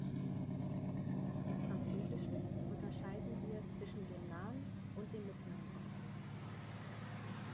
Im Französischen unterscheiden wir zwischen dem Nahen und dem Mittleren Osten.